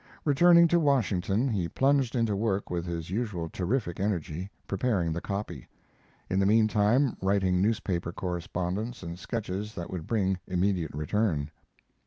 Returning to Washington, he plunged into work with his usual terrific energy, preparing the copy in the mean time writing newspaper correspondence and sketches that would bring immediate return.